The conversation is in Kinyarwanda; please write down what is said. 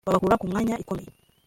babakura mu mwanya ikomeye